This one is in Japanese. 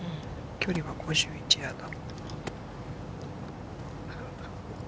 距離は５１ヤード。